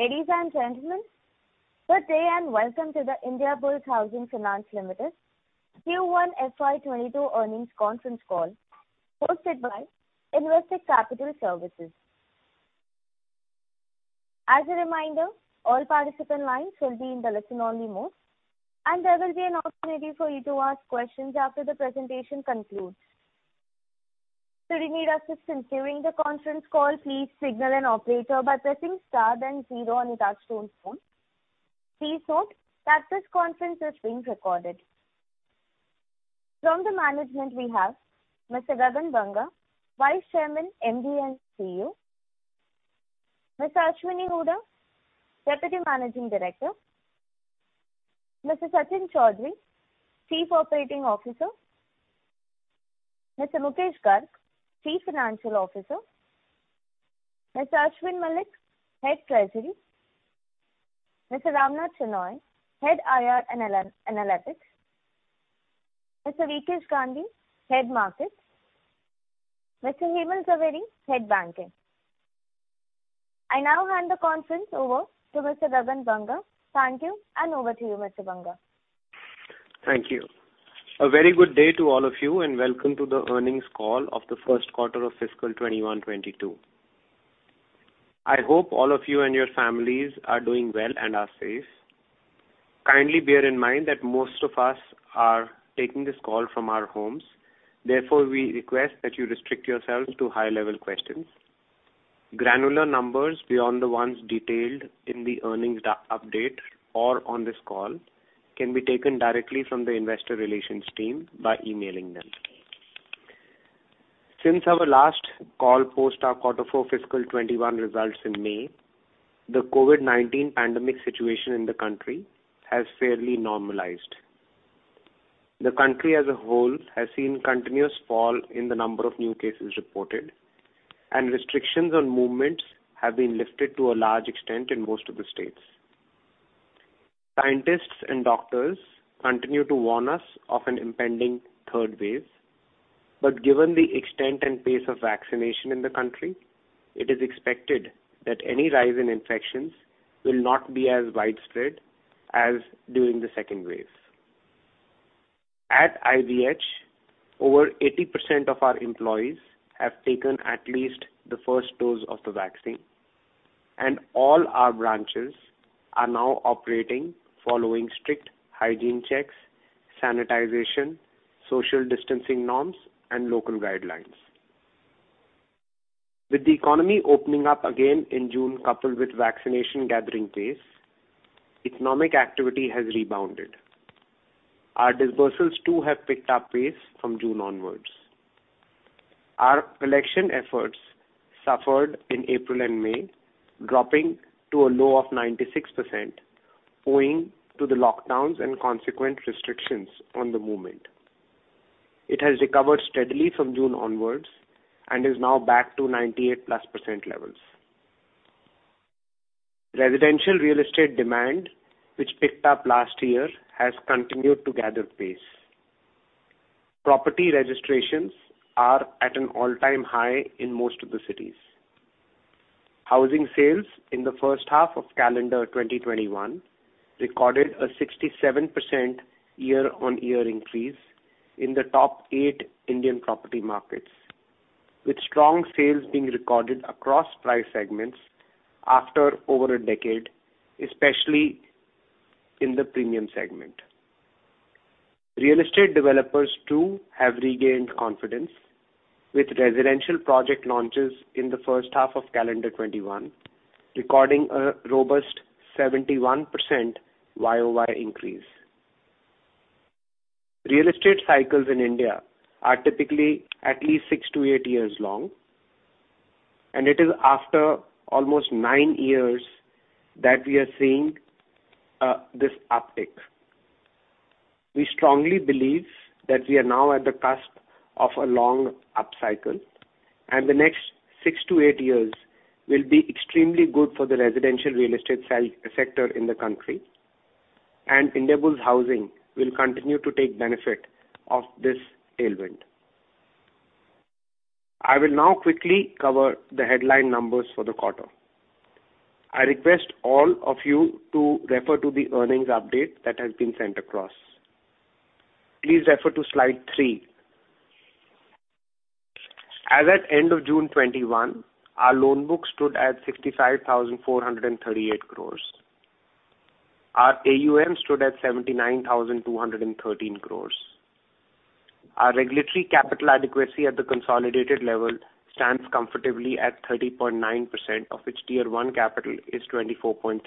Ladies and gentlemen, good day and welcome to the Indiabulls Housing Finance Limited Q1 FY 2022 earnings conference call hosted by Investec Capital Services. As a reminder, all participant lines will be in the listen-only mode, and there will be an opportunity for you to ask questions after the presentation concludes. Should you need assistance during the conference call, please signal an operator by pressing Star then zero on your touchtone phone. Please note that this conference is being recorded. From the management, we have Mr. Gagan Banga, Vice Chairman, Managing Director and Chief Executive Officer. Mr. Ashwini Hooda, Deputy Managing Director. Mr. Sachin Chaudhary, Chief Operating Officer. Mr. Mukesh Garg, Chief Financial Officer. Mr. Ashwin Mallick, Treasury Head. Mr. Ramnath Shenoy, Head, Analytics and Investor Relations. Mr. Veekesh Gandhi, Head of Capital Markets. Mr. Hemal Zaveri, Head, Banking. I now hand the conference over to Mr. Gagan Banga. Thank you, and over to you, Mr. Banga. Thank you. A very good day to all of you, and welcome to the earnings call of the first quarter of fiscal 2021-2022. I hope all of you and your families are doing well and are safe. Kindly bear in mind that most of us are taking this call from our homes. We request that you restrict yourselves to high-level questions. Granular numbers beyond the ones detailed in the earnings update or on this call can be taken directly from the investor relations team by emailing them. Since our last call post our Quarter four fiscal 2021 results in May, the COVID-19 pandemic situation in the country has fairly normalized. The country as a whole has seen continuous fall in the number of new cases reported, and restrictions on movements have been lifted to a large extent in most of the states. Scientists and doctors continue to warn us of an impending third wave, but given the extent and pace of vaccination in the country, it is expected that any rise in infections will not be as widespread as during the second wave. At IBH, over 80% of our employees have taken at least the first dose of the vaccine, and all our branches are now operating following strict hygiene checks, sanitization, social distancing norms, and local guidelines. With the economy opening up again in June, coupled with vaccination gathering pace, economic activity has rebounded. Our disbursements too have picked up pace from June onwards. Our collection efforts suffered in April and May, dropping to a low of 96%, owing to the lockdowns and consequent restrictions on the movement. It has recovered steadily from June onwards and is now back to 98% plus levels. Residential real estate demand, which picked up last year, has continued to gather pace. Property registrations are at an all-time high in most of the cities. Housing sales in the first half of calendar 2021 recorded a 67% year-on-year increase in the top eight Indian property markets, with strong sales being recorded across price segments after over a decade, especially in the premium segment. Real estate developers too have regained confidence, with residential project launches in the first half of calendar 2021 recording a robust 71% YoY increase. Real estate cycles in India are typically at least six to eight years long, and it is after almost nine years that we are seeing this uptick. We strongly believe that we are now at the cusp of a long upcycle, and the next six to eight years will be extremely good for the residential real estate sector in the country, and Indiabulls Housing will continue to take benefit of this tailwind. I will now quickly cover the headline numbers for the quarter. I request all of you to refer to the earnings update that has been sent across. Please refer to slide three. As at end of June 2021, our loan book stood at 65,438 crore. Our AUM stood at 79,213 crore. Our regulatory capital adequacy at the consolidated level stands comfortably at 30.9%, of which Tier one capital is 24.3%.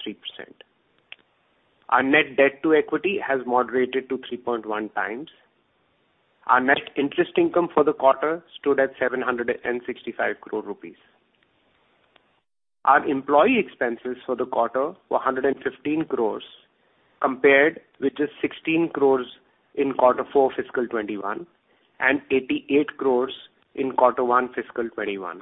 Our net debt to equity has moderated to 3.1x. Our net interest income for the quarter stood at 765 crore rupees. Our employee expenses for the quarter were 115 crore, compared with just 16 crore in Q4 FY 2021 and 88 crore in Q1 FY 2021.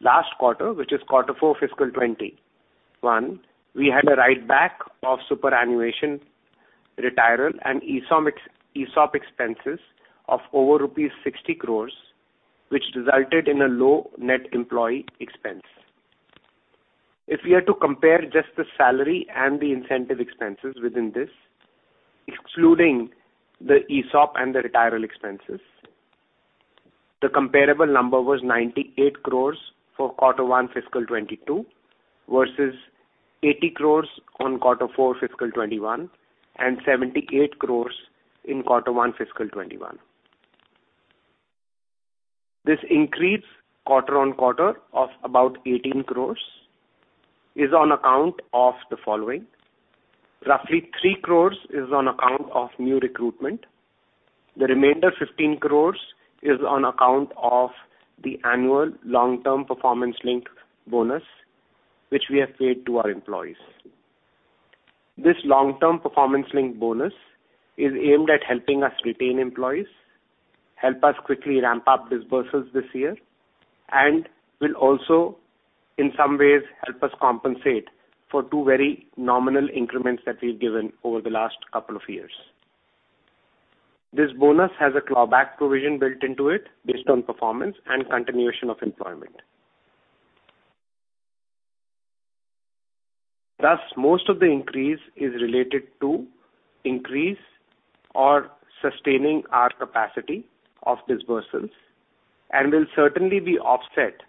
Last quarter, which is Q4 FY 2021, we had a write-back of superannuation, retiral, and ESOP expenses of over rupees 60 crore, which resulted in a low net employee expense. If we are to compare just the salary and the incentive expenses within this, excluding the ESOP and the retirement expenses, the comparable number was 98 crore for Q1 FY 2022 versus 80 crore on Q4 FY 2021 and INR 78 crore in Q1 FY 2021. This increase quarter-on-quarter of about 18 crore is on account of the following. Roughly 3 crore is on account of new recruitment. The remainder, 15 crore, is on account of the annual long-term performance-linked bonus, which we have paid to our employees. This long-term performance-linked bonus is aimed at helping us retain employees, help us quickly ramp up disbursements this year, and will also, in some ways, help us compensate for two very nominal increments that we've given over the last couple of years. This bonus has a clawback provision built into it based on performance and continuation of employment. Most of the increase is related to increase or sustaining our capacity of disbursements and will certainly be offset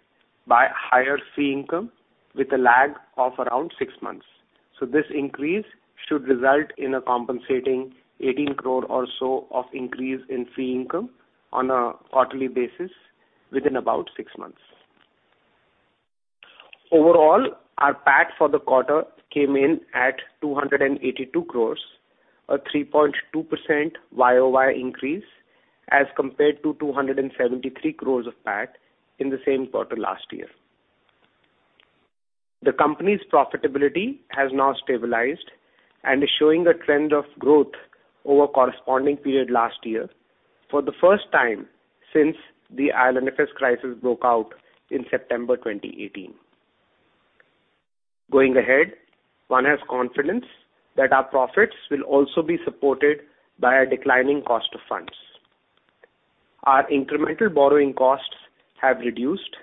by higher fee income with a lag of around six months. This increase should result in a compensating 18 crore or so of increase in fee income on a quarterly basis within about six months. Our PAT for the quarter came in at 282 crore, a 3.2% YoY increase as compared to 273 crore of PAT in the same quarter last year. The company's profitability has now stabilized and is showing a trend of growth over the corresponding period last year for the first time since the IL&FS crisis broke out in September 2018. Going ahead, one has confidence that our profits will also be supported by a declining cost of funds. Our incremental borrowing costs have reduced,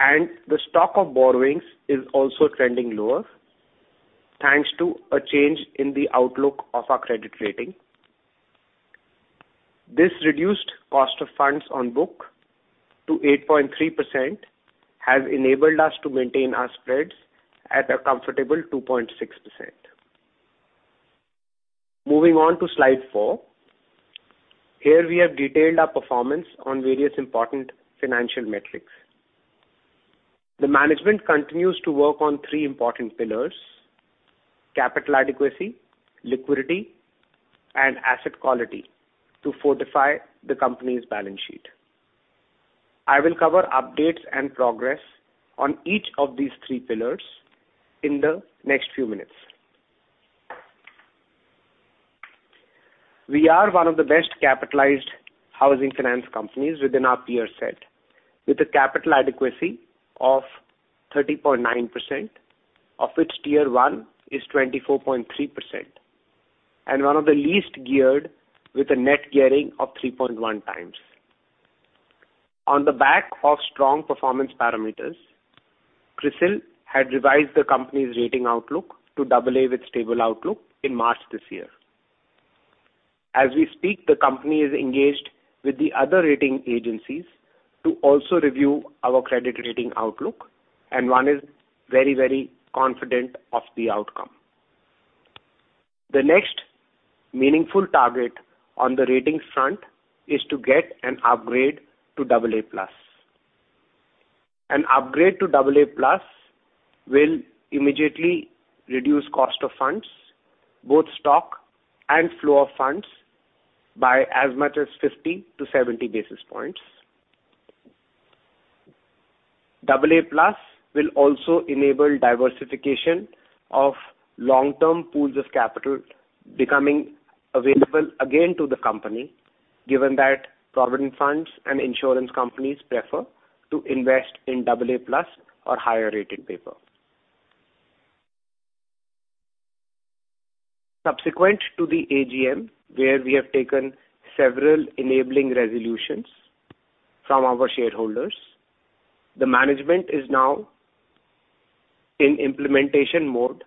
and the stock of borrowings is also trending lower, thanks to a change in the outlook of our credit rating. This reduced cost of funds on book to 8.3% has enabled us to maintain our spreads at a comfortable 2.6%. Moving on to slide four. Here we have detailed our performance on various important financial metrics. The management continues to work on three important pillars: capital adequacy, liquidity, and asset quality to fortify the company's balance sheet. I will cover updates and progress on each of these three pillars in the next few minutes. We are one of the best-capitalized housing finance companies within our peer set, with a capital adequacy of 30.9%, of which Tier one is 24.3%, and one of the least geared with a net gearing of 3.1x. On the back of strong performance parameters, CRISIL had revised the company's rating outlook to AA with stable outlook in March this year. As we speak, the company is engaged with the other rating agencies to also review our credit rating outlook, and one is very confident of the outcome. The next meaningful target on the ratings front is to get an upgrade to AA+. An upgrade to AA+ will immediately reduce cost of funds, both stock and flow of funds, by as much as 50 to 70 basis points. AA+ will also enable diversification of long-term pools of capital becoming available again to the company, given that provident funds and insurance companies prefer to invest in AA+ or higher-rated paper. Subsequent to the AGM, where we have taken several enabling resolutions from our shareholders, the management is now in implementation mode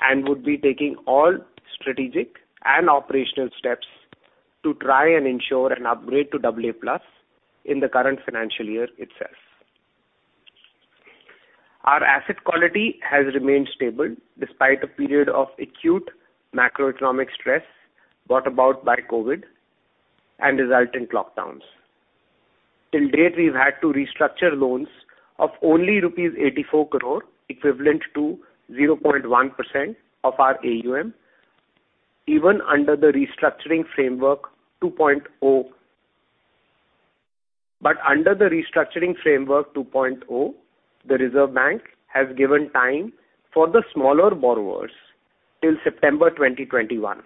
and would be taking all strategic and operational steps to try and ensure an upgrade to AA+ in the current financial year itself. Our asset quality has remained stable despite a period of acute macroeconomic stress brought about by COVID and resultant lockdowns. To date, we've had to restructure loans of only rupees 84 crore, equivalent to 0.1% of our AUM, even under the Restructuring Framework 2.0. Under the Restructuring Framework 2.0, the Reserve Bank has given time for the smaller borrowers till September 2021.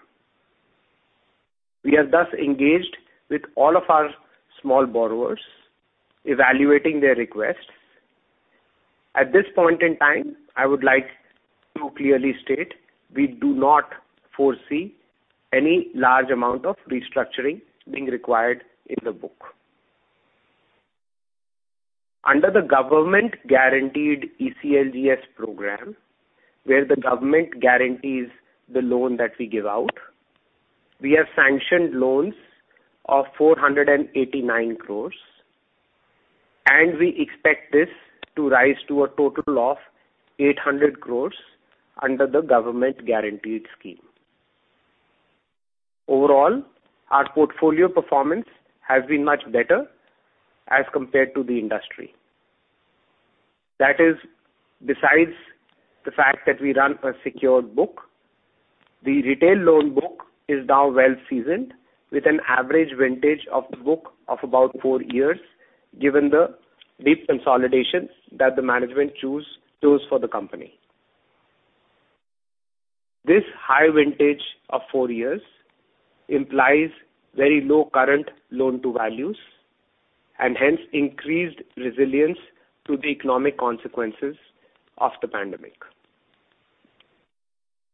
We are thus engaged with all of our small borrowers, evaluating their request. At this point in time, I would like to clearly state we do not foresee any large amount of restructuring being required in the book. Under the government-guaranteed ECLGS program, where the government guarantees the loan that we give out, we have sanctioned loans of 489 crore. We expect this to rise to a total of 800 crore under the government-guaranteed scheme. Overall, our portfolio performance has been much better as compared to the industry. That is besides the fact that we run a secured book. The retail loan book is now well seasoned with an average vintage of the book of about four years, given the deep consolidations that the management chose for the company. This high vintage of four years implies very low current loan-to-values, and hence increased resilience to the economic consequences of the pandemic.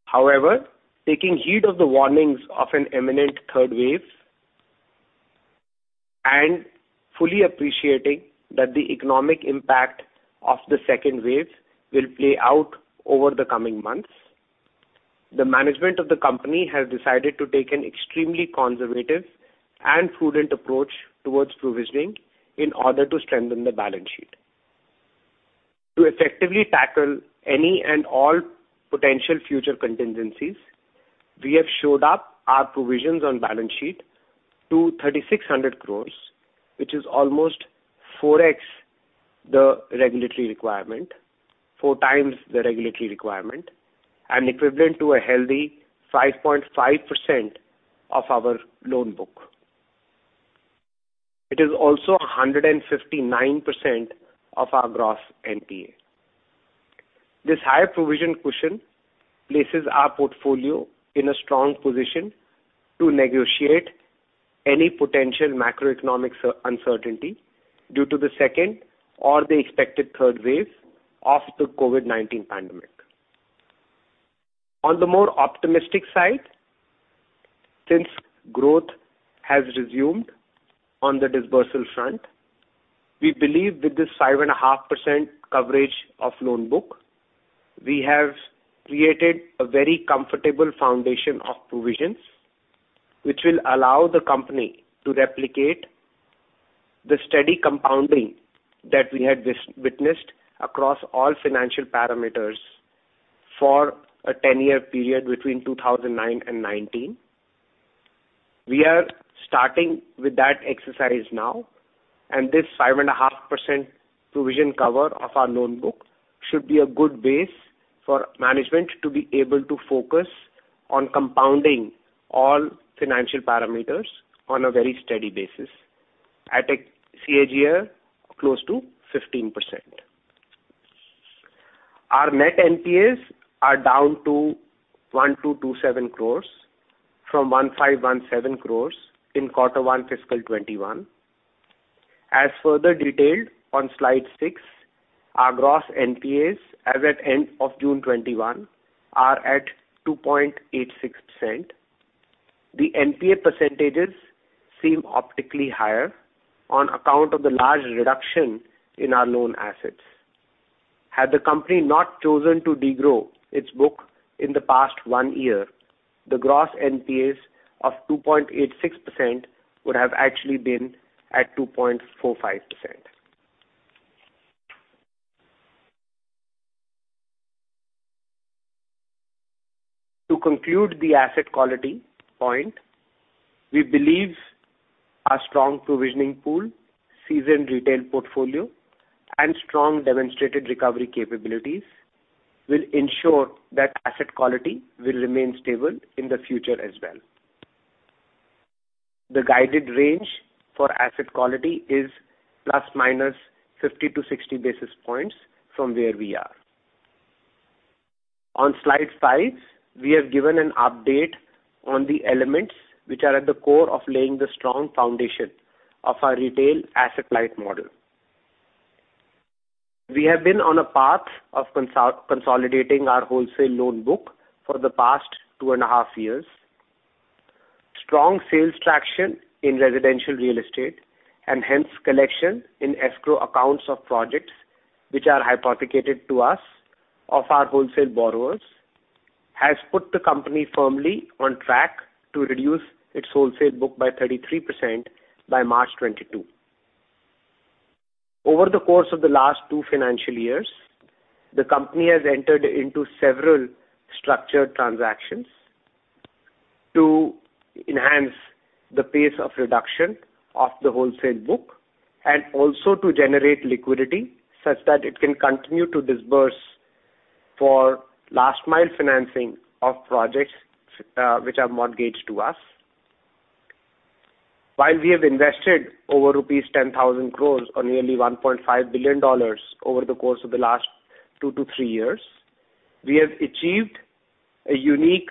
However, taking heed of the warnings of an imminent third wave and fully appreciating that the economic impact of the second wave will play out over the coming months, the management of the company has decided to take an extremely conservative and prudent approach towards provisioning in order to strengthen the balance sheet. To effectively tackle any and all potential future contingencies, we have shored up our provisions on balance sheet to 3,600 crore, which is almost 4x the regulatory requirement, four times the regulatory requirement, and equivalent to a healthy 5.5% of our loan book. It is also 159% of our Gross NPA. This higher provision cushion places our portfolio in a strong position to negotiate any potential macroeconomic uncertainty due to the second or the expected third wave of the COVID-19 pandemic. On the more optimistic side, since growth has resumed on the dispersal front, we believe with this 5.5% coverage of loan book, we have created a very comfortable foundation of provisions, which will allow the company to replicate the steady compounding that we had witnessed across all financial parameters for a 10-year period between 2009 and 2019. We are starting with that exercise now, and this 5.5% provision cover of our loan book should be a good base for management to be able to focus on compounding all financial parameters on a very steady basis at a CAGR close to 15%. Our net NPAs are down to 1,227 crore from 1,517 crore in Q1 FY 2021. As further detailed on slide six, our gross NPAs as at end of June 2021 are at 2.86%. The NPA percentages seem optically higher on account of the large reduction in our loan assets. Had the company not chosen to de-grow its book in the past one year, the gross NPAs of 2.86% would have actually been at 2.45%. To conclude the asset quality point, we believe our strong provisioning pool, seasoned retail portfolio, and strong demonstrated recovery capabilities will ensure that asset quality will remain stable in the future as well. The guided range for asset quality is ± 50-60 basis points from where we are. On slide five, we have given an update on the elements which are at the core of laying the strong foundation of our retail asset-light model. We have been on a path of consolidating our wholesale loan book for the past 2.5 years. Strong sales traction in residential real estate, and hence collection in escrow accounts of projects which are hypothecated to us of our wholesale borrowers, has put the company firmly on track to reduce its wholesale book by 33% by March 2022. Over the course of the last two financial years, the company has entered into several structured transactions to enhance the pace of reduction of the wholesale book and also to generate liquidity such that it can continue to disburse for last-mile financing of projects which are mortgaged to us. While we have invested over rupees 10,000 crore or nearly $1.5 billion over the course of the last two to three years. We have achieved a unique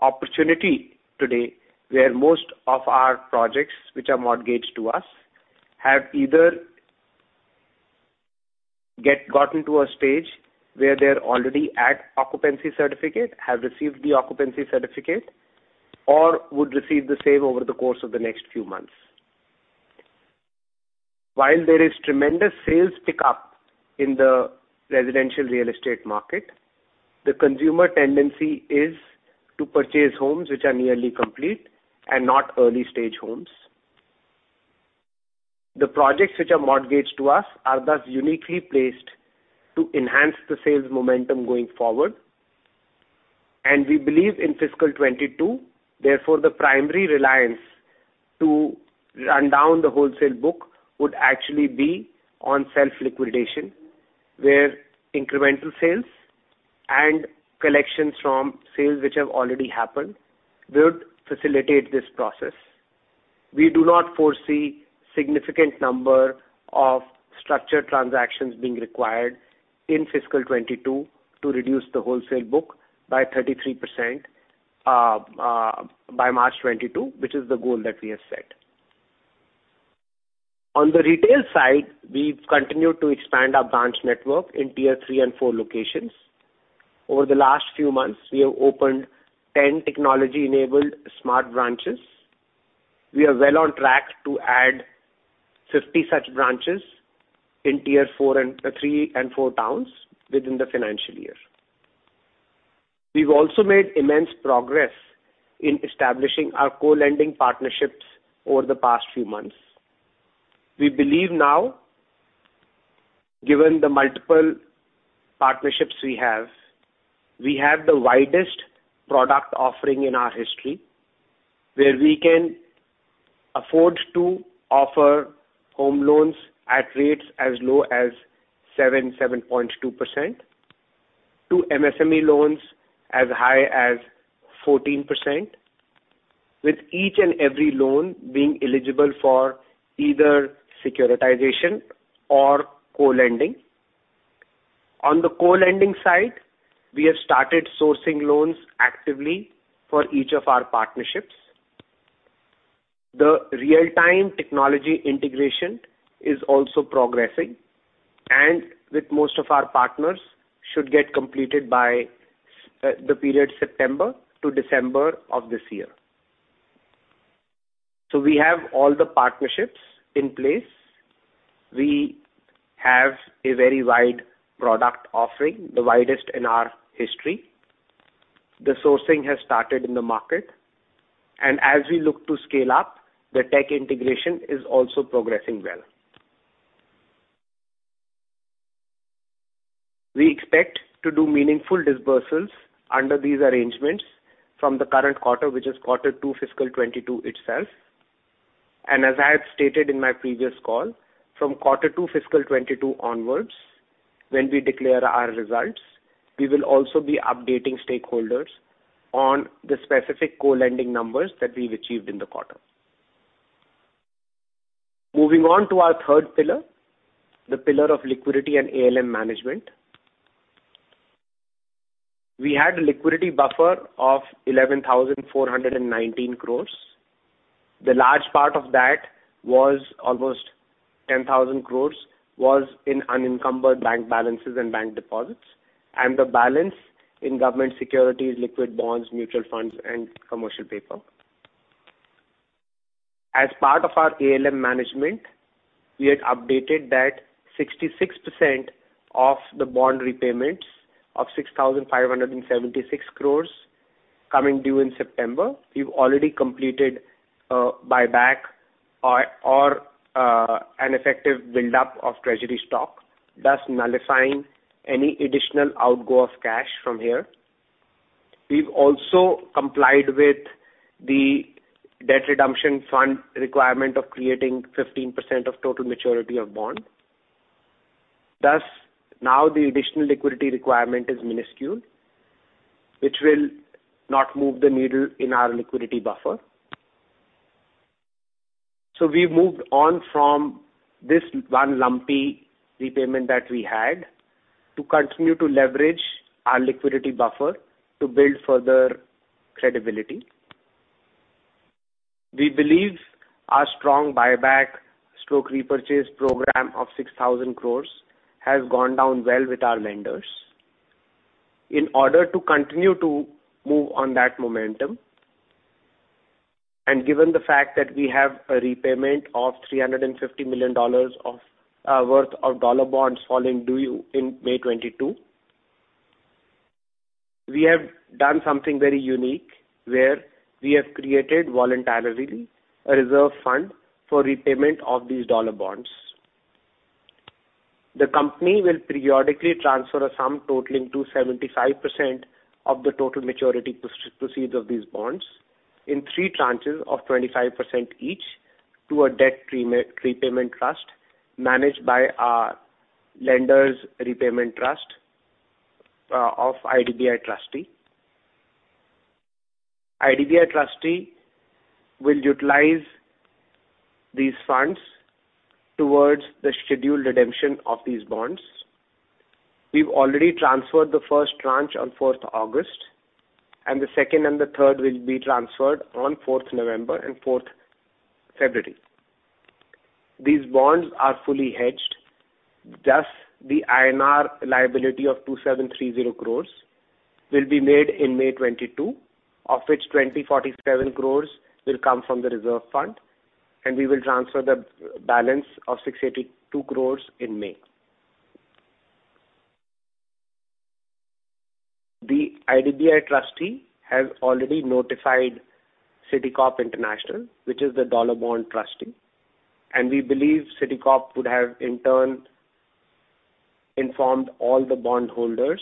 opportunity today where most of our projects, which are mortgaged to us, have either gotten to a stage where they're already at occupancy certificate, have received the occupancy certificate, or would receive the same over the course of the next few months. While there is tremendous sales pickup in the residential real estate market, the consumer tendency is to purchase homes which are nearly complete and not early-stage homes. The projects which are mortgaged to us are thus uniquely placed to enhance the sales momentum going forward. We believe in fiscal 2022, therefore, the primary reliance to run down the wholesale book would actually be on self-liquidation, where incremental sales and collections from sales which have already happened would facilitate this process. We do not foresee significant number of structured transactions being required in fiscal 2022 to reduce the wholesale book by 33% by March 2022, which is the goal that we have set. On the retail side, we've continued to expand our branch network in Tier three and four locations. Over the last few months, we have opened 10 technology-enabled smart branches. We are well on track to add 50 such branches in Tier three and four towns within the financial year. We've also made immense progress in establishing our co-lending partnerships over the past few months. We believe now, given the multiple partnerships we have, we have the widest product offering in our history, where we can afford to offer home loans at rates as low as 7%, 7.2%, to MSME loans as high as 14%, with each and every loan being eligible for either securitization or co-lending. On the co-lending side, we have started sourcing loans actively for each of our partnerships. The real-time technology integration is also progressing, and with most of our partners, should get completed by the period September to December of this year. We have all the partnerships in place. We have a very wide product offering, the widest in our history. The sourcing has started in the market. As we look to scale up, the tech integration is also progressing well. We expect to do meaningful disbursements under these arrangements from the current quarter, which is Q2 FY22 itself. As I have stated in my previous call, from Q2 FY22 onwards, when we declare our results, we will also be updating stakeholders on the specific co-lending numbers that we've achieved in the quarter. Moving on to our third pillar, the pillar of liquidity and ALM management. We had a liquidity buffer of 11,419 crore. The large part of that, almost 10,000 crore, was in unencumbered bank balances and bank deposits, and the balance in government securities, liquid bonds, mutual funds and commercial paper. As part of our ALM management, we had updated that 66% of the bond repayments of 6,576 crore coming due in September, we've already completed a buyback or an effective build-up of treasury stock, thus nullifying any additional outflow of cash from here. We've also complied with the debt redemption fund requirement of creating 15% of total maturity of bond. Thus, now the additional liquidity requirement is minuscule, which will not move the needle in our liquidity buffer. We've moved on from this 1 lumpy repayment that we had to continue to leverage our liquidity buffer to build further credibility. We believe our strong buyback/repurchase program of 6,000 crore has gone down well with our lenders. To continue to move on that momentum, and given the fact that we have a repayment of $350 million worth of dollar bonds falling due in May 2022. We have done something very unique, where we have created, voluntarily, a reserve fund for repayment of these dollar bonds. The company will periodically transfer a sum totaling to 75% of the total maturity proceeds of these bonds in three tranches of 25% each to a debt repayment trust managed by our lender's repayment trust of IDBI Trustee. IDBI Trustee will utilize these funds towards the scheduled redemption of these bonds. We've already transferred the first tranche on August fourth, and the second and the third will be transferred on November fourth and February fourth. These bonds are fully hedged. Thus, the INR liability of 2,730 crore will be made in May 2022, of which 2,047 crore will come from the reserve fund, and we will transfer the balance of 682 crore in May. The IDBI trustee has already notified Citicorp International, which is the dollar bond trustee, and we believe Citicorp would have in turn informed all the bondholders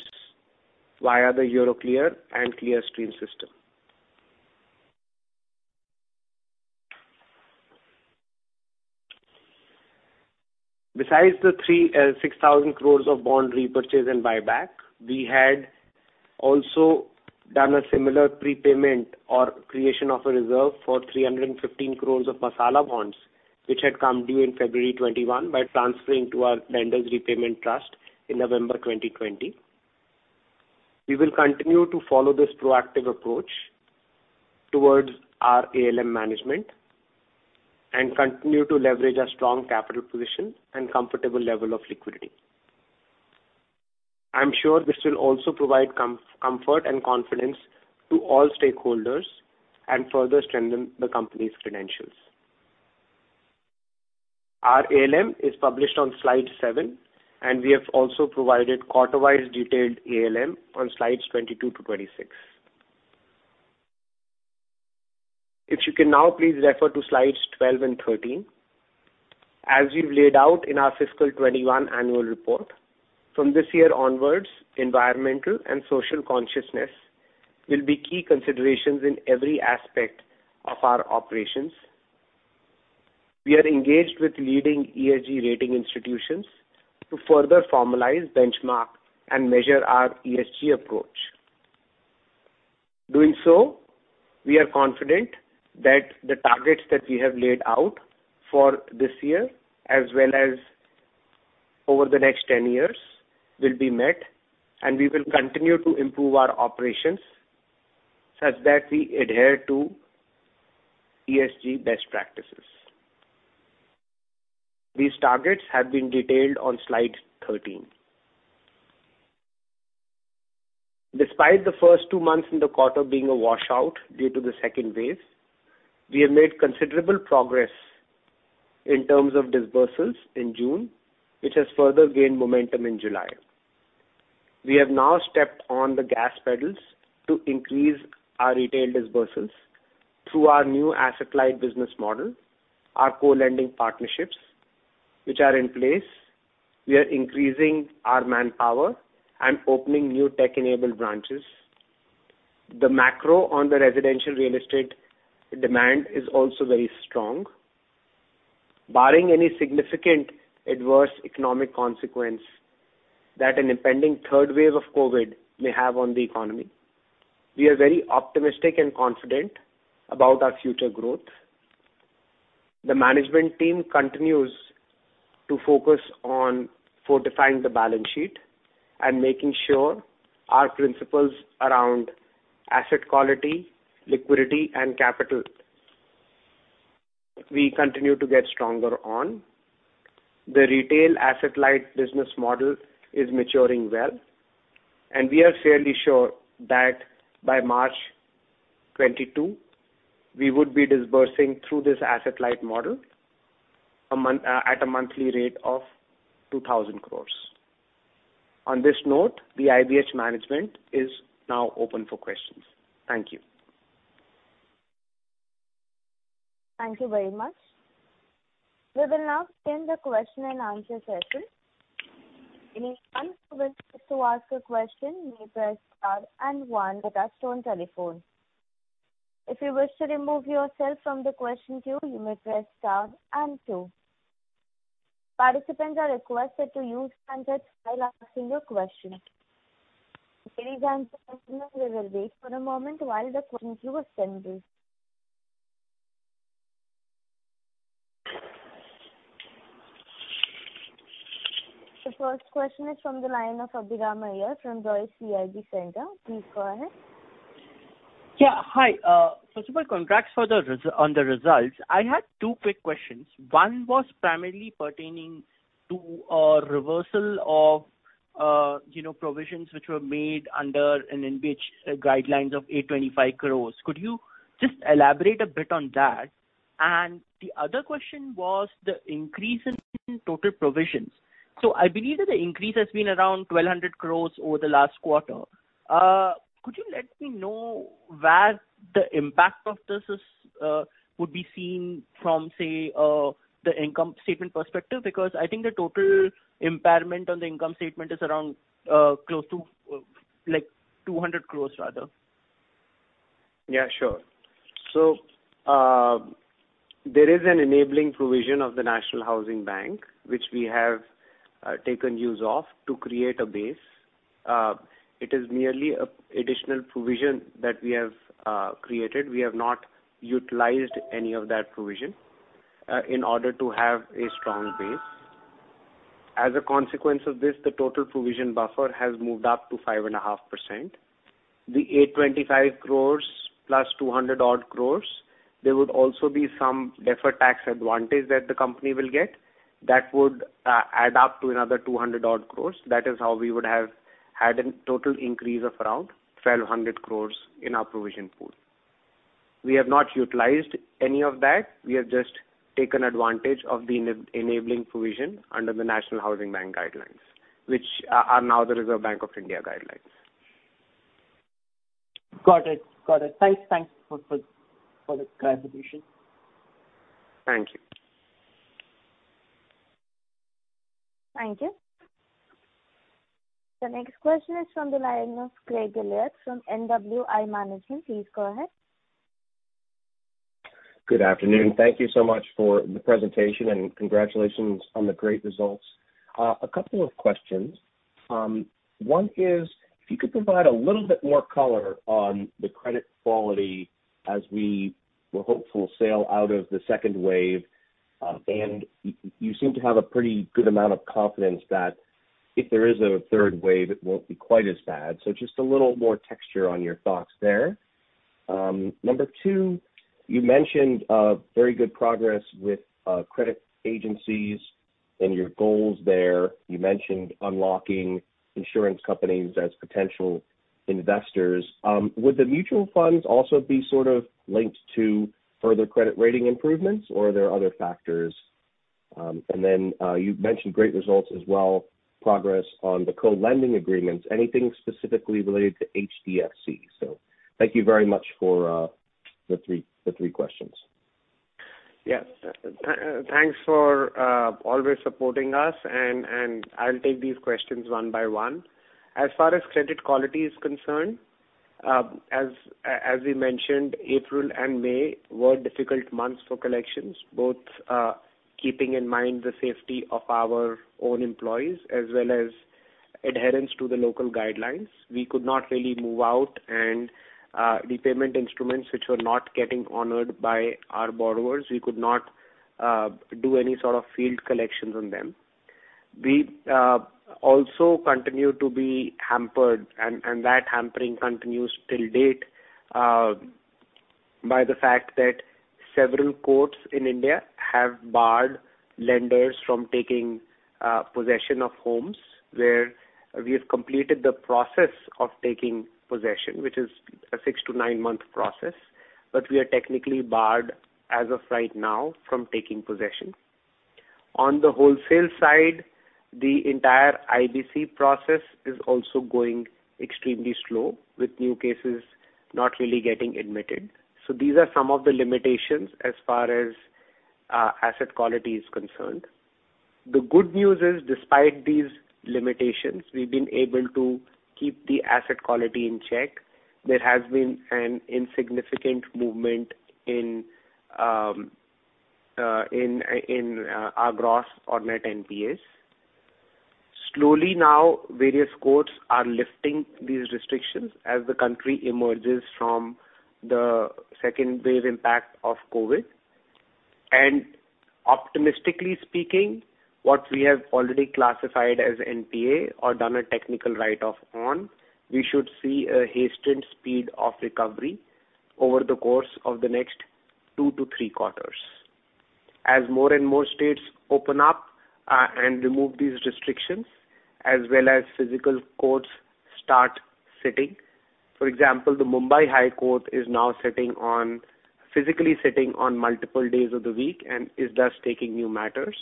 via the Euroclear and Clearstream system. Besides the 6,000 crore of bond repurchase and buyback, we had also done a similar prepayment or creation of a reserve for 315 crore of masala bonds, which had come due in February 2021 by transferring to our lenders repayment trust in November 2020. We will continue to follow this proactive approach towards our ALM management and continue to leverage our strong capital position and comfortable level of liquidity. I'm sure this will also provide comfort and confidence to all stakeholders and further strengthen the company's credentials. Our ALM is published on slide seven, and we have also provided quarter-wise detailed ALM on slides 22 to 26. If you can now please refer to slides 12 and 13. As we've laid out in our fiscal 2021 annual report, from this year onwards, environmental and social consciousness will be key considerations in every aspect of our operations. We are engaged with leading ESG rating institutions to further formalize benchmark and measure our ESG approach. Doing so, we are confident that the targets that we have laid out for this year, as well as over the next 10 years, will be met, and we will continue to improve our operations such that we adhere to ESG best practices. These targets have been detailed on slide 13. Despite the first two months in the quarter being a washout due to the second wave, we have made considerable progress in terms of disbursements in June, which has further gained momentum in July. We have now stepped on the gas pedals to increase our retail disbursements through our new asset-light business model, our co-lending partnerships, which are in place. We are increasing our manpower and opening new tech-enabled branches. The macro on the residential real estate demand is also very strong. Barring any significant adverse economic consequence that an impending third wave of COVID-19 may have on the economy, we are very optimistic and confident about our future growth. The management team continues to focus on fortifying the balance sheet and making sure our principles around asset quality, liquidity, and capital, we continue to get stronger on. The retail asset-light business model is maturing well, and we are fairly sure that by March 2022, we would be disbursing through this asset-light model at a monthly rate of 2,000 crore. On this note, the IBH management is now open for questions. Thank you. The first question is from the line of Abhiram Iyer from Deutsche CIB Centre. Please go ahead. Hi. Super congrats on the results. I had two quick questions. One was primarily pertaining to a reversal of provisions which were made under an NHB guidelines of 825 crore. Could you just elaborate a bit on that? The other question was the increase in total provisions. I believe that the increase has been around 1,200 crore over the last quarter. Could you let me know where the impact of this would be seen from, say, the income statement perspective? I think the total impairment on the income statement is around close to 200 crore rather. Yeah, sure. There is an enabling provision of the National Housing Bank, which we have taken use of to create a base. It is merely an additional provision that we have created. We have not utilized any of that provision in order to have a strong base. As a consequence of this, the total provision buffer has moved up to 5.5%. The 825 crore plus 200 odd crore, there would also be some deferred tax advantage that the company will get that would add up to another 200 odd crore. That is how we would have had a total increase of around 1,200 crore in our provision pool. We have not utilized any of that. We have just taken advantage of the enabling provision under the National Housing Bank guidelines, which are now the Reserve Bank of India guidelines. Got it. Thanks for the clarification. Thank you. Thank you. The next question is from the line of Craig Gillard from NWI Management. Please go ahead. Good afternoon. Thank you so much for the presentation, and congratulations on the great results. A couple of questions. One is, if you could provide a little bit more color on the credit quality as we will hopefully sail out of the second wave. You seem to have a pretty good amount of confidence that if there is a third wave, it won't be quite as bad. Just a little more texture on your thoughts there. Number two, you mentioned very good progress with credit agencies and your goals there. You mentioned unlocking insurance companies as potential investors. Would the mutual funds also be sort of linked to further credit rating improvements, or are there other factors? Then, you mentioned great results as well, progress on the co-lending agreements. Anything specifically related to HDFC? Thank you very much for the three questions. Yes. Thanks for always supporting us, and I'll take these questions one by one. As far as credit quality is concerned, as we mentioned, April and May were difficult months for collections, both keeping in mind the safety of our own employees as well as adherence to the local guidelines. We could not really move out and repayment instruments which were not getting honored by our borrowers. We could not do any sort of field collections on them. We also continue to be hampered, and that hampering continues till date, by the fact that several courts in India have barred lenders from taking possession of homes where we have completed the process of taking possession, which is a six-month to nine-month process, but we are technically barred as of right now from taking possession. On the wholesale side, the entire IBC process is also going extremely slow, with new cases not really getting admitted. These are some of the limitations as far as asset quality is concerned. The good news is, despite these limitations, we've been able to keep the asset quality in check. There has been an insignificant movement in our gross or net NPAs. Slowly now various courts are lifting these restrictions as the country emerges from the second wave impact of COVID. Optimistically speaking, what we have already classified as NPA or done a technical write-off on, we should see a hastened speed of recovery over the course of the next two to three quarters. More and more states open up and remove these restrictions, as well as physical courts start sitting. For example, the Mumbai High Court is now physically sitting on multiple days of the week and is thus taking new matters.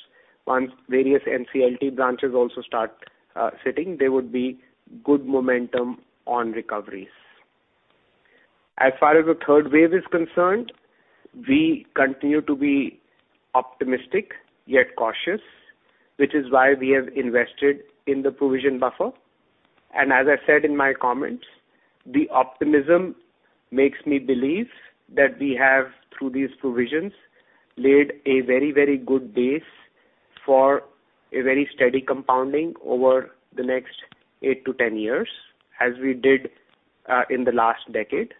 Once various NCLT branches also start sitting, there would be good momentum on recoveries. As far as the third wave is concerned, we continue to be optimistic yet cautious, which is why we have invested in the provision buffer. As I said in my comments, the optimism makes me believe that we have, through these provisions, laid a very good base for a very steady compounding over the next eight to 10 years, as we did in the last decade.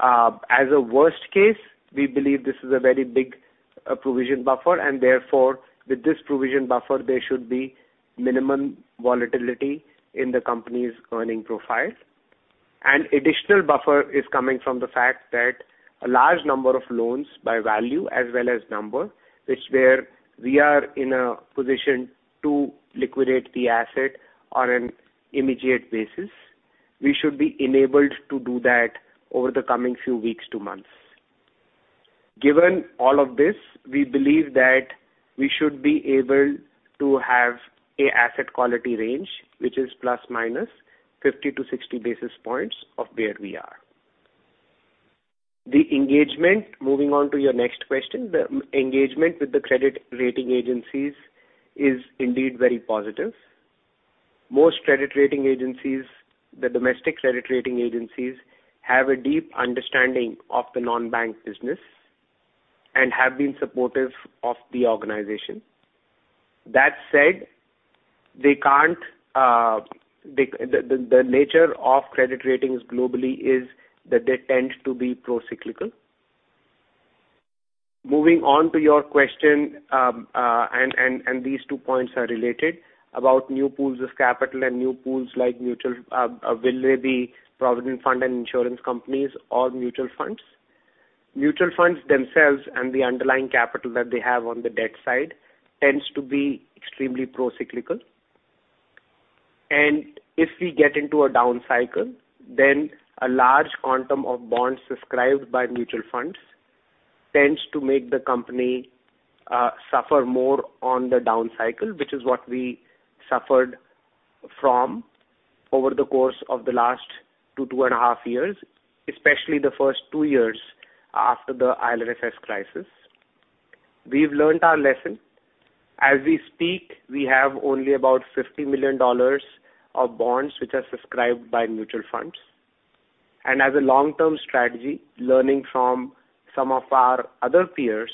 As a worst case, we believe this is a very big provision buffer, and therefore, with this provision buffer, there should be minimum volatility in the company's earning profile. An additional buffer is coming from the fact that a large number of loans by value as well as number, which where we are in a position to liquidate the asset on an immediate basis. We should be enabled to do that over the coming few weeks to months. Given all of this, we believe that we should be able to have an asset quality range which is ±50-60 basis points of where we are. Moving on to your next question, the engagement with the credit rating agencies is indeed very positive. Most credit rating agencies, the domestic credit rating agencies, have a deep understanding of the non-bank business and have been supportive of the organization. That said, the nature of credit ratings globally is that they tend to be pro-cyclical. Moving on to your question, and these two points are related, about new pools of capital and new pools like will they be provident fund and insurance companies or mutual funds. Mutual funds themselves and the underlying capital that they have on the debt side tends to be extremely pro-cyclical. If we get into a down cycle, then a large quantum of bonds subscribed by mutual funds tends to make the company suffer more on the down cycle, which is what we suffered from over the course of the last two and a half years, especially the first two years after the IL&FS crisis. We've learnt our lesson. As we speak, we have only about $50 million of bonds which are subscribed by mutual funds. As a long-term strategy, learning from some of our other peers,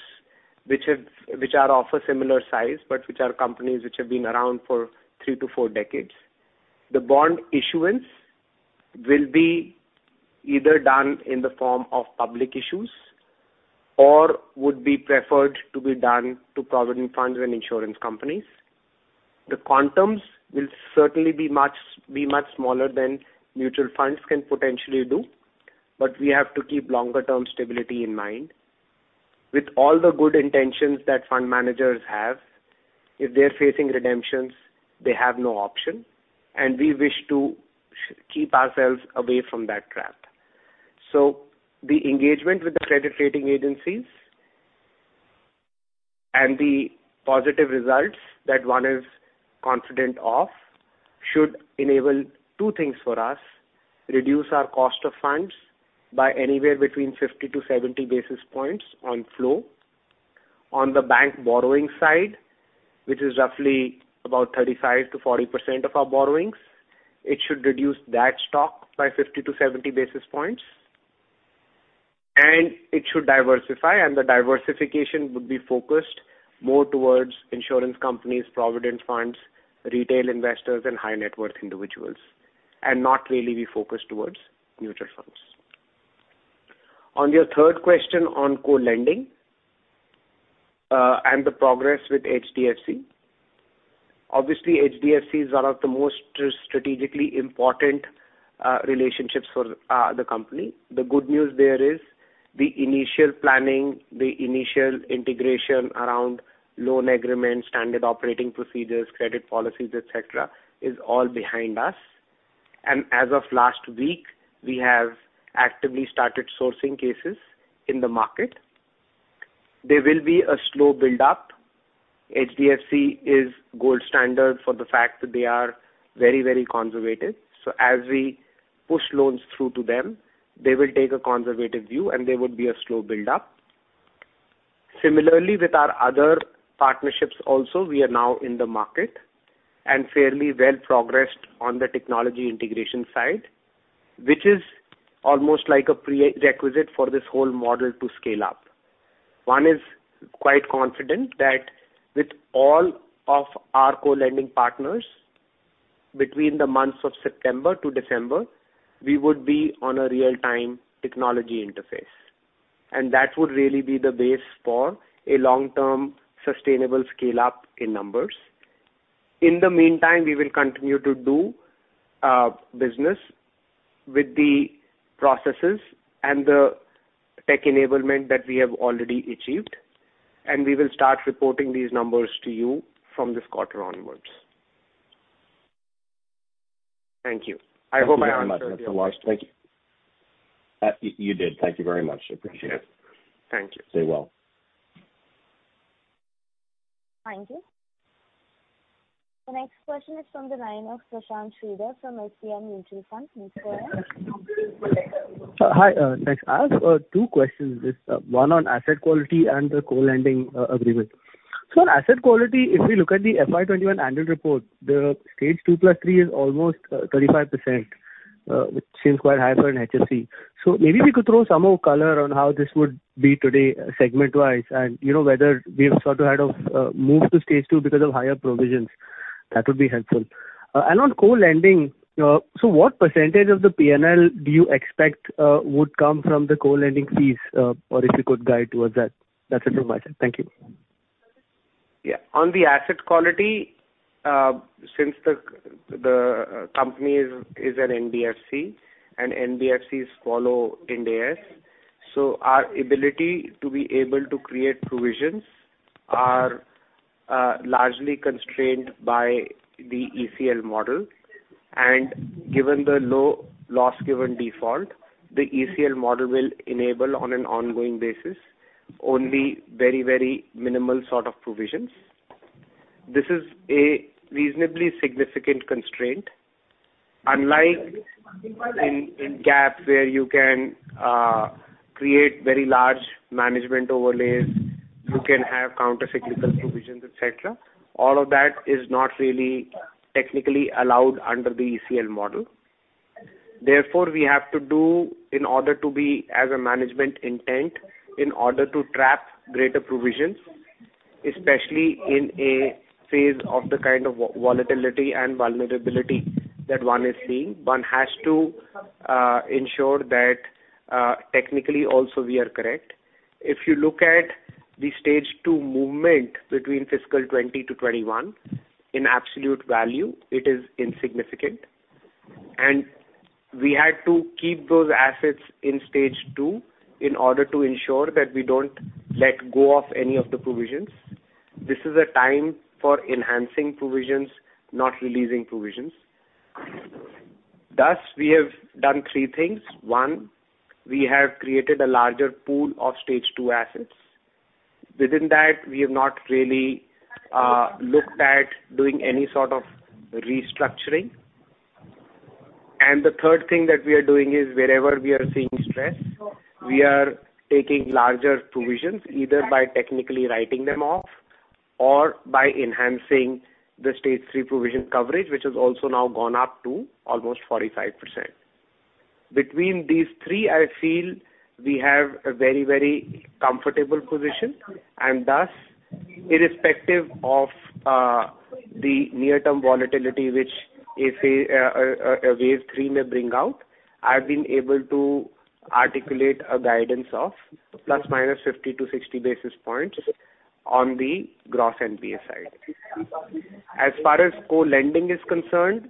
which are of a similar size but which are companies which have been around for three to four decades. The bond issuance will be either done in the form of public issues or would be preferred to be done to provident funds and insurance companies. The quantums will certainly be much smaller than mutual funds can potentially do, but we have to keep longer term stability in mind. With all the good intentions that fund managers have, if they're facing redemptions, they have no option, and we wish to keep ourselves away from that trap. The engagement with the credit rating agencies and the positive results that one is confident of should enable two things for us. Reduce our cost of funds by anywhere between 50-70 basis points on flow. On the bank borrowing side, which is roughly about 35%-40% of our borrowings, it should reduce that stock by 50-70 basis points. It should diversify, and the diversification would be focused more towards insurance companies, provident funds, retail investors, and high-net-worth individuals, and not really be focused towards mutual funds. On your third question on co-lending and the progress with HDFC. Obviously, HDFC is one of the most strategically important relationships for the company. The good news there is the initial planning, the initial integration around loan agreements, standard operating procedures, credit policies, et cetera, is all behind us. As of last week, we have actively started sourcing cases in the market. There will be a slow buildup. HDFC is gold standard for the fact that they are very conservative. As we push loans through to them, they will take a conservative view and there would be a slow buildup. Similarly, with our other partnerships also, we are now in the market and fairly well progressed on the technology integration side, which is almost like a prerequisite for this whole model to scale up. One is quite confident that with all of our co-lending partners, between the months of September to December, we would be on a real-time technology interface, and that would really be the base for a long-term sustainable scale-up in numbers. In the meantime, we will continue to do business with the processes and the tech enablement that we have already achieved, and we will start reporting these numbers to you from this quarter onwards. Thank you. Thank you very much. That's a lot. Thank you. You did. Thank you very much. Appreciate it. Thank you. Stay well. Thank you. The next question is from the line of Sushant Shridhar from HDFC Mutual Fund. Please go ahead. Hi. Thanks. I have two questions. One on asset quality and the co-lending agreement. On asset quality, if we look at the FY 2021 annual report, the stage 2+3 is almost 35%, which seems quite high for an HFC. Maybe we could throw some more color on how this would be today segment-wise and whether we have sort of had a move to stage two because of higher provisions. That would be helpful. On co-lending, what percentage of the P&L do you expect would come from the co-lending fees? If you could guide towards that. That's it from my side. Thank you. On the asset quality, since the company is an NBFC and NBFCs follow Ind AS, our ability to be able to create provisions are largely constrained by the ECL model. Given the low loss given default, the ECL model will enable on an ongoing basis only very minimal sort of provisions. This is a reasonably significant constraint. Unlike in GAAP, where you can create very large management overlays, you can have countercyclical provisions, et cetera. All of that is not really technically allowed under the ECL model. We have to do in order to be as a management intent, in order to trap greater provisions, especially in a phase of the kind of volatility and vulnerability that one is seeing. One has to ensure that technically also we are correct. If you look at the stage two movement between fiscal 2020 to 2021, in absolute value, it is insignificant. We had to keep those assets in stage two in order to ensure that we don't let go of any of the provisions. This is a time for enhancing provisions, not releasing provisions. Thus, we have done three things. One, we have created a larger pool of stage two assets. Within that, we have not really looked at doing any sort of restructuring. The third thing that we are doing is wherever we are seeing stress, we are taking larger provisions, either by technically writing them off or by enhancing the stage three provision coverage, which has also now gone up to almost 45%. Between these three, I feel we have a very comfortable position, and thus irrespective of the near-term volatility, which a wave three may bring out, I've been able to articulate a guidance of ±50 to 60 basis points on the gross NPA side. As far as co-lending is concerned,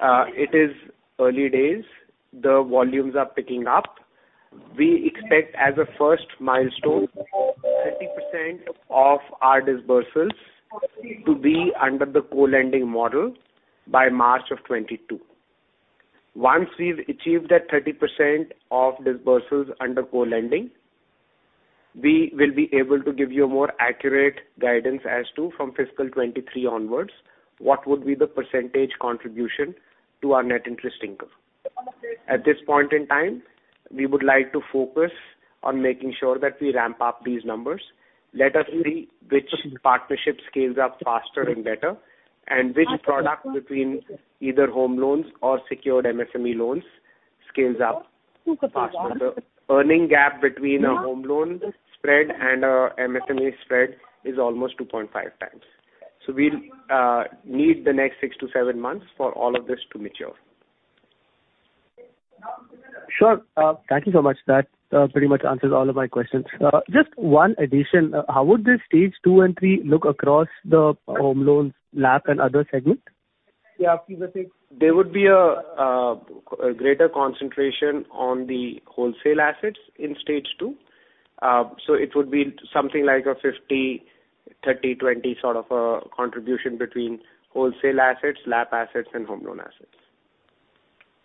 it is early days. The volumes are picking up. We expect as a first milestone, 30% of our disbursements to be under the co-lending model by March of 2022. Once we've achieved that 30% of disbursements under co-lending, we will be able to give you a more accurate guidance as to from fiscal 2023 onwards, what would be the percentage contribution to our net interest income. At this point in time, we would like to focus on making sure that we ramp up these numbers. Let us see which partnership scales up faster and better, and which product between either home loans or secured MSME loans scales up faster. The earning gap between a home loan spread and an MSME spread is almost 2.5x. We'll need the next six to seven months for all of this to mature. Sure. Thank you so much. That pretty much answers all of my questions. Just one addition. How would the stage two and three look across the home loans, LAP and other segments? Yeah, there would be a greater concentration on the wholesale assets in stage two. It would be something like a 50/30/ 20 sort of a contribution between wholesale assets, LAP assets and home loan assets.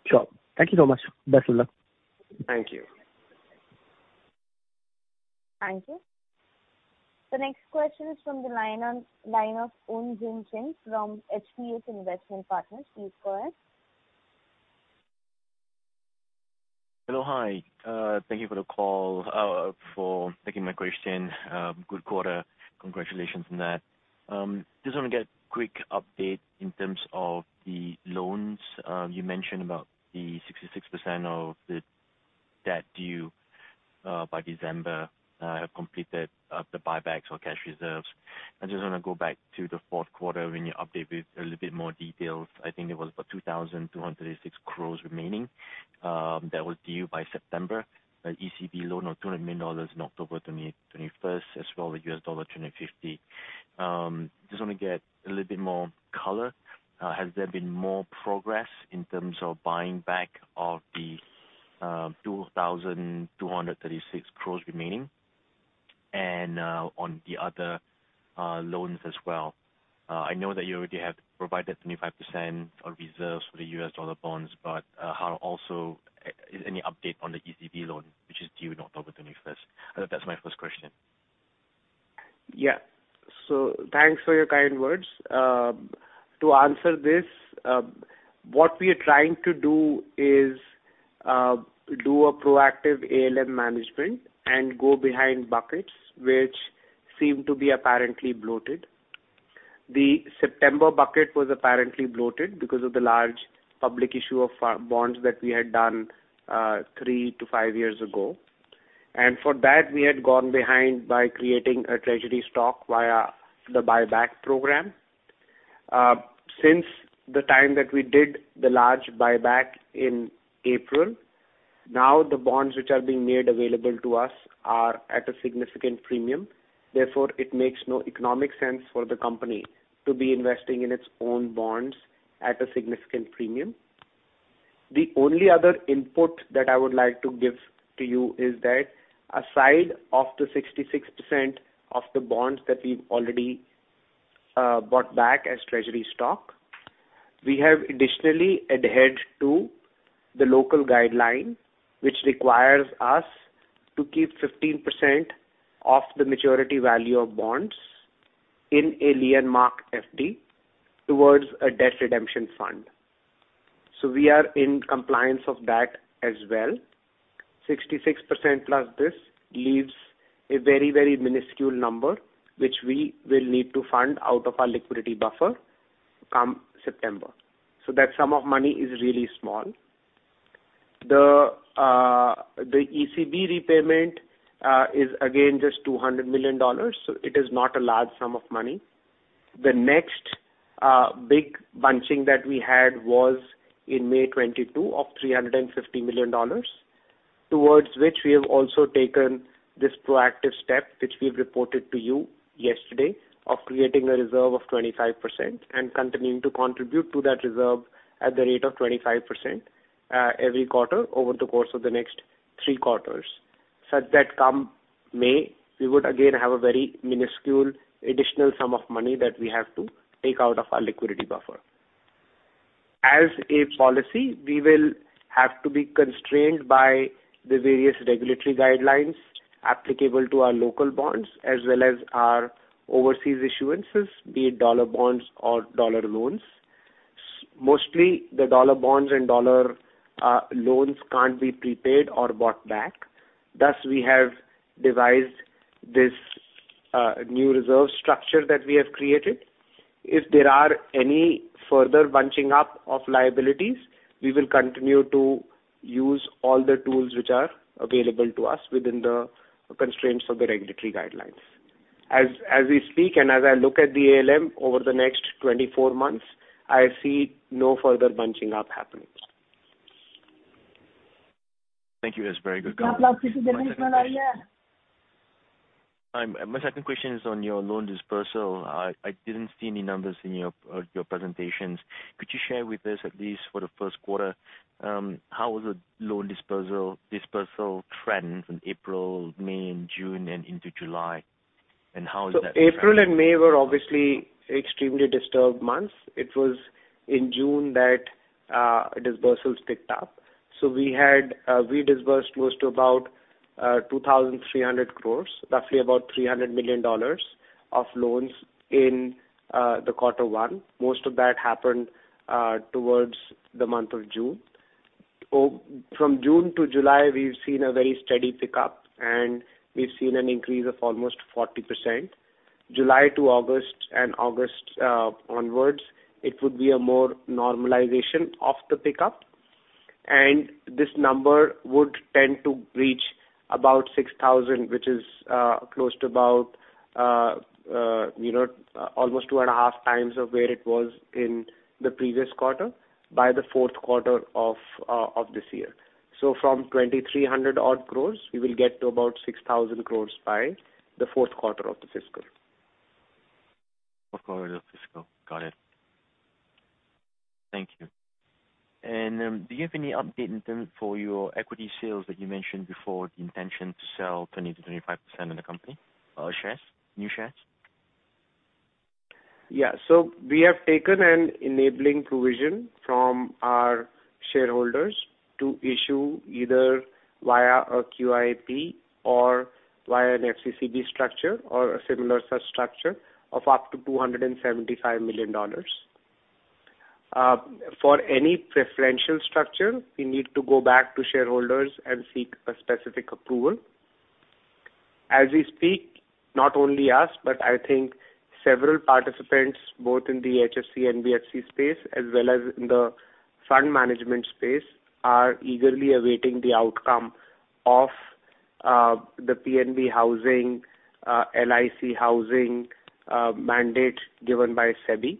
Sure. Thank you so much. Best of luck. Thank you. Thank you. The next question is from the line of Eun Jin Kim from HPS Investment Partners. Please go ahead. Hello. Hi. Thank you for taking my question. Good quarter. Congratulations on that. Just want to get a quick update in terms of the loans. You mentioned about the 66% of the debt due by December have completed the buybacks or cash reserves. I just want to go back to the fourth quarter when you updated with a little bit more details. I think it was about 2,236 crore remaining that was due by September, the ECB loan of $200 million in October 21st, as well the $250 million. Just want to get a little bit more color. Has there been more progress in terms of buying back of the 2,236 crore remaining? On the other loans as well? I know that you already have provided 25% of reserves for the US dollar bonds, but also any update on the ECB loan, which is due in October 21st? That's my first question. Yeah. Thanks for your kind words. To answer this, what we are trying to do is do a proactive ALM management and go behind buckets, which seem to be apparently bloated. The September bucket was apparently bloated because of the large public issue of bonds that we had done three to five years ago. For that, we had gone behind by creating a treasury stock via the buyback program. Since the time that we did the large buyback in April, now the bonds which are being made available to us are at a significant premium. Therefore, it makes no economic sense for the company to be investing in its own bonds at a significant premium. The only other input that I would like to give to you is that aside of the 66% of the bonds that we've already bought back as treasury stock, we have additionally adhered to the local guideline, which requires us to keep 15% of the maturity value of bonds in a lien mark FD towards a debt redemption fund. We are in compliance of that as well. 66% plus this leaves a very, very minuscule number, which we will need to fund out of our liquidity buffer come September. That sum of money is really small. The ECB repayment is again just $200 million. It is not a large sum of money. The next big bunching that we had was in May 2022 of $350 million, towards which we have also taken this proactive step, which we've reported to you yesterday, of creating a reserve of 25% and continuing to contribute to that reserve at the rate of 25% every quarter over the course of the next three quarters. Such that come May, we would again have a very minuscule additional sum of money that we have to take out of our liquidity buffer. As a policy, we will have to be constrained by the various regulatory guidelines applicable to our local bonds, as well as our overseas issuances, be it dollar bonds or dollar loans. Mostly, the dollar bonds and dollar loans can't be prepaid or bought back. We have devised this new reserve structure that we have created. If there are any further bunching up of liabilities, we will continue to use all the tools which are available to us within the constraints of the regulatory guidelines. As we speak and as I look at the ALM over the next 24 months, I see no further bunching up happening. Thank you. That's very good. My second question is on your loan dispersal. I didn't see any numbers in your presentations. Could you share with us, at least for the first quarter, how was the loan dispersal trends in April, May, and June and into July? April and May were obviously extremely disturbed months. It was in June that dispersals picked up. We disbursed close to about 2,300 crore, roughly about $300 million of loans in Q1. Most of that happened towards the month of June. From June to July, we've seen a very steady pickup, and we've seen an increase of almost 40%. July to August and August onwards, it would be a more normalization of the pickup. This number would tend to reach about 6,000 crore, which is close to about almost two and a half times of where it was in the previous quarter by the fourth quarter of this year. From 2,300 odd crore, we will get to about 6,000 crore by the fourth quarter of the fiscal. Of quarter fiscal. Got it. Thank you. Do you have any update in terms of your equity sales that you mentioned before, the intention to sell 20%-25% of the company shares, new shares? We have taken an enabling provision from our shareholders to issue either via a QIP or via an FCCB structure or a similar such structure of up to $275 million. For any preferential structure, we need to go back to shareholders and seek a specific approval. As we speak, not only us, but I think several participants, both in the HFC NBFC space as well as in the fund management space, are eagerly awaiting the outcome of the PNB Housing, LIC Housing mandate given by SEBI.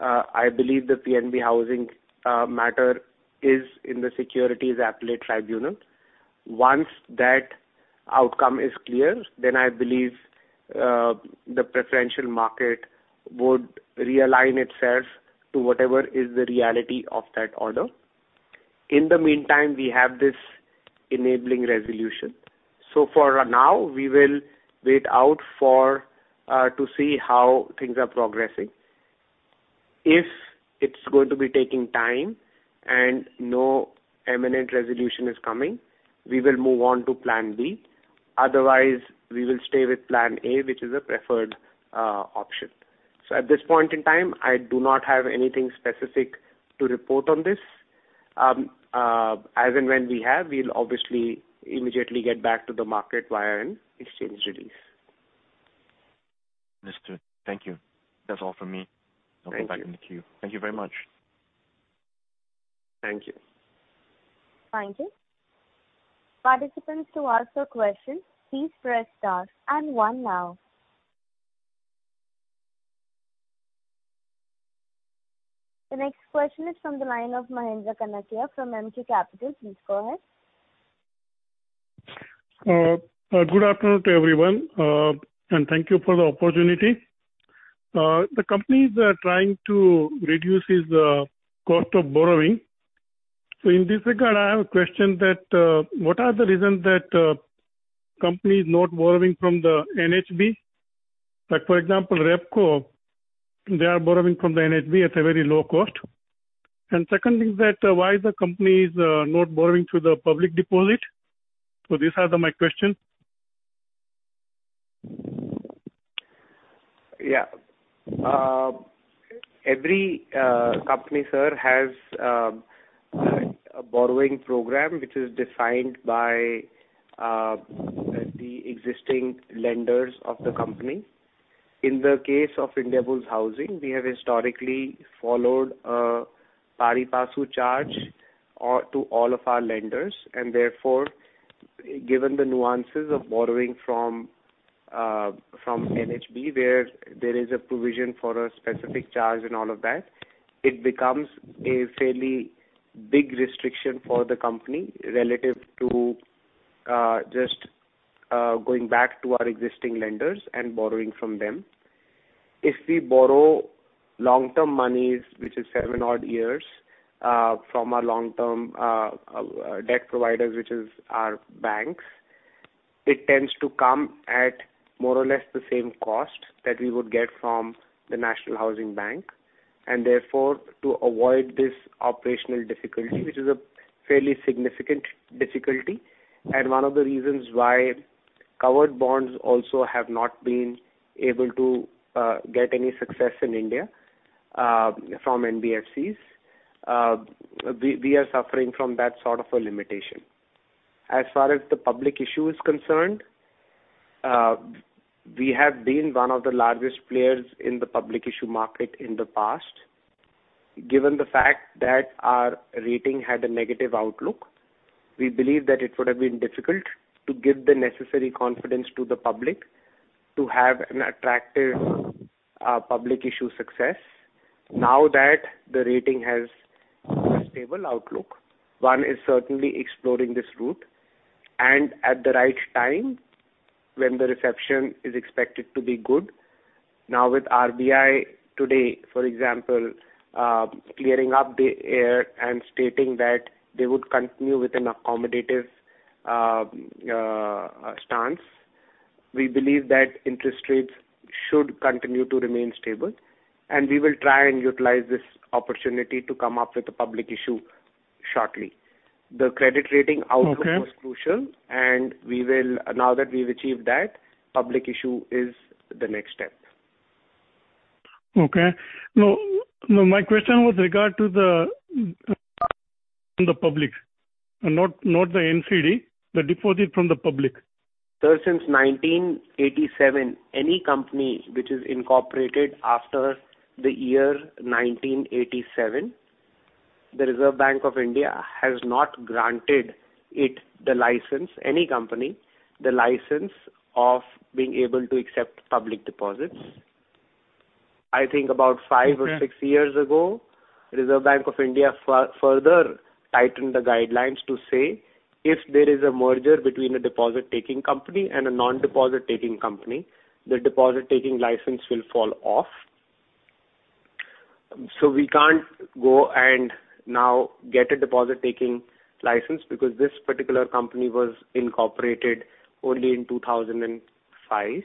I believe the PNB Housing matter is in the Securities Appellate Tribunal. Once that outcome is clear, I believe the preferential market would realign itself to whatever is the reality of that order. In the meantime, we have this enabling resolution. For now, we will wait out to see how things are progressing. If it's going to be taking time and no imminent resolution is coming, we will move on to plan B. Otherwise, we will stay with plan A, which is a preferred option. At this point in time, I do not have anything specific to report on this. As and when we have, we'll obviously immediately get back to the market via an exchange release. Understood. Thank you. That's all from me. Thank you. I'll go back in the queue. Thank you very much. Thank you. Thank you. The next question is from the line of Mahindra Kanakia from MG Capital. Please go ahead. Good afternoon to everyone, thank you for the opportunity. The company is trying to reduce its cost of borrowing. In this regard, I have a question that, what are the reasons that company is not borrowing from the NHB? Like for example, Repco, they are borrowing from the NHB at a very low cost. Second thing is that why the company is not borrowing through the public deposit? These are my questions. Every company, sir, has a borrowing program which is defined by the existing lenders of the company. In the case of Indiabulls Housing, we have historically followed a pari-passu charge to all of our lenders, and therefore, given the nuances of borrowing from NHB, where there is a provision for a specific charge and all of that, it becomes a fairly big restriction for the company relative to just going back to our existing lenders and borrowing from them. If we borrow long-term monies, which is seven odd years, from our long-term debt providers, which is our banks, it tends to come at more or less the same cost that we would get from the National Housing Bank, and therefore, to avoid this operational difficulty, which is a fairly significant difficulty and one of the reasons why covered bonds also have not been able to get any success in India from NBFCs. We are suffering from that sort of a limitation. As far as the public issue is concerned, we have been one of the largest players in the public issue market in the past. Given the fact that our rating had a negative outlook, we believe that it would have been difficult to give the necessary confidence to the public to have an attractive public issue success. Now that the rating has a stable outlook, one is certainly exploring this route, and at the right time when the reception is expected to be good. Now with RBI today, for example, clearing up the air and stating that they would continue with an accommodative stance, we believe that interest rates should continue to remain stable, and we will try and utilize this opportunity to come up with a public issue shortly. The credit rating outlook. Okay was crucial, and now that we've achieved that, public issue is the next step. Okay. No, my question was regard to the from the public and not the NCD, the deposit from the public. Sir, since 1987, any company which is incorporated after the year 1987, the Reserve Bank of India has not granted it the license, any company, the license of being able to accept public deposits. I think about five or six years ago, Reserve Bank of India further tightened the guidelines to say if there is a merger between a deposit-taking company and a non-deposit-taking company, the deposit-taking license will fall off. We can't go and now get a deposit-taking license because this particular company was incorporated only in 2005.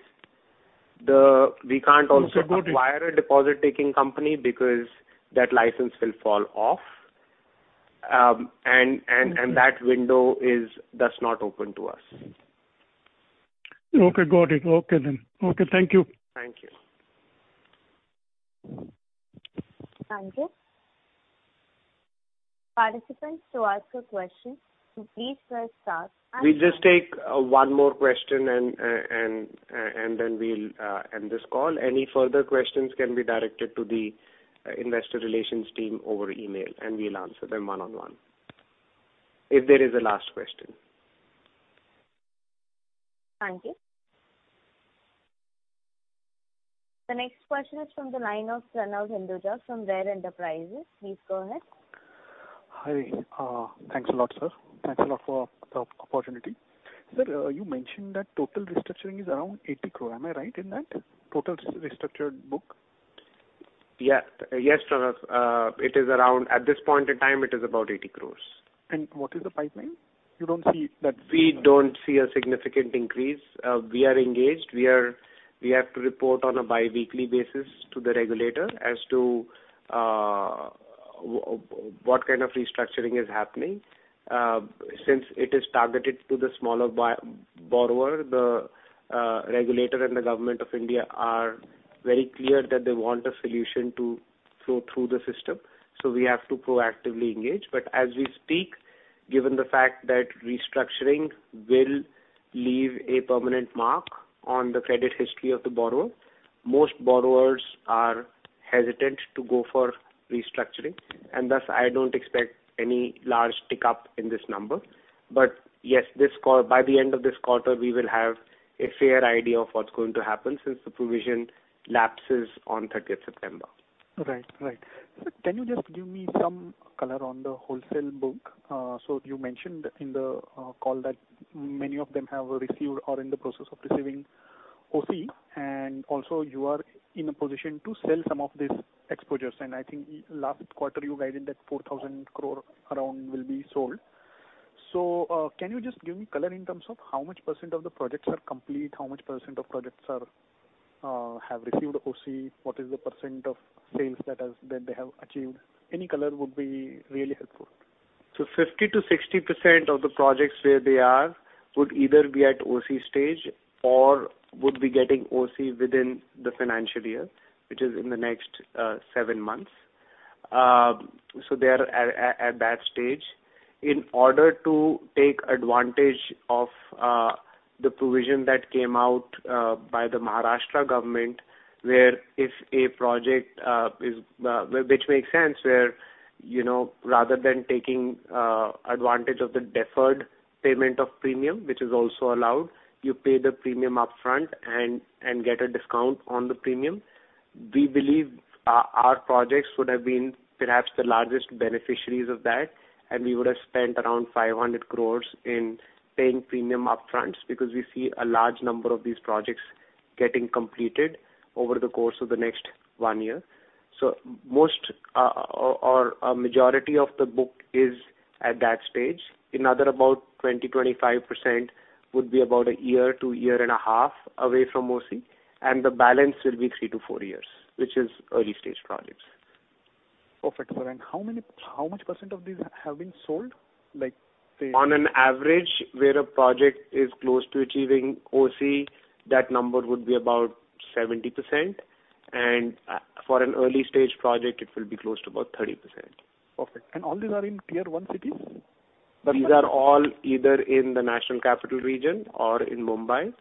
Okay, got it. we can't also acquire a deposit-taking company because that license will fall off. That window thus not open to us. Okay, got it. Okay then. Okay. Thank you. Thank you. Thank you. Participants to ask a question, please press star- We just take one more question and then we'll end this call. Any further questions can be directed to the investor relations team over email, and we'll answer them one on one. If there is a last question. Thank you. The next question is from the line of Pranav Hinduja from Rare Enterprises. Please go ahead. Hi. Thanks a lot, sir. Thanks a lot for the opportunity. Sir, you mentioned that total restructuring is around 80 crore. Am I right in that? Total restructured book. Yes, Pranav. At this point in time, it is about 80 crore. What is the pipeline? You don't see that. We don't see a significant increase. We are engaged. We have to report on a biweekly basis to the regulator as to what kind of restructuring is happening. Since it is targeted to the smaller borrower, the regulator and the Government of India are very clear that they want a solution to flow through the system. We have to proactively engage. As we speak, given the fact that restructuring will leave a permanent mark on the credit history of the borrower, most borrowers are hesitant to go for restructuring, and thus I don't expect any large tick up in this number. Yes, by the end of this quarter, we will have a fair idea of what's going to happen since the provision lapses on September 30th. Right. Sir, can you just give me some color on the wholesale book? You mentioned in the call that many of them have received or are in the process of receiving OC, and also you are in a position to sell some of this exposures. I think last quarter you guided that 4,000 crore around will be sold. Can you just give me color in terms of how much percent of the projects are complete, how much percent of projects have received OC? What is the percent of sales that they have achieved? Any color would be really helpful. 50%-60% of the projects where they are would either be at OC stage or would be getting OC within the financial year, which is in the next seven months. They're at that stage. In order to take advantage of the provision that came out by the Maharashtra government, which makes sense, where rather than taking advantage of the deferred payment of premium, which is also allowed, you pay the premium upfront and get a discount on the premium. We believe our projects would have been perhaps the largest beneficiaries of that, and we would have spent around 500 crore in paying premium upfront because we see a large number of these projects getting completed over the course of the next one year. Majority of the book is at that stage. Another about 20%, 25% would be about a year to year and a half away from OC, and the balance will be three to four years, which is early-stage projects. Perfect. Sir, how much percent of these have been sold? On an average, where a project is close to achieving OC, that number would be about 70%, and for an early-stage project, it will be close to about 30%. Perfect. All these are in tier one cities? These are all either in the National Capital Region or in Mumbai,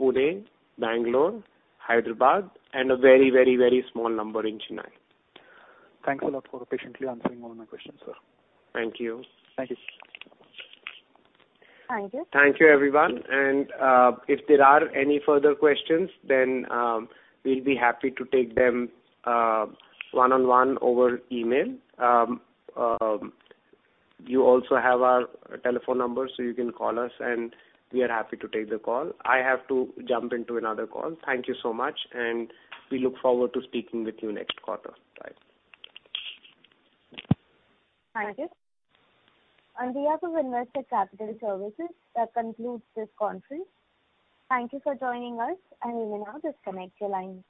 Pune, Bangalore, Hyderabad, and a very small number in Chennai. Thanks a lot for patiently answering all my questions, sir. Thank you. Thank you. Thank you. Thank you, everyone. If there are any further questions, then we'll be happy to take them one-on-one over email. You also have our telephone number, so you can call us and we are happy to take the call. I have to jump into another call. Thank you so much, we look forward to speaking with you next quarter. Bye. Thank you. On behalf of Investec Capital Services, that concludes this conference. Thank you for joining us, and you may now disconnect your lines.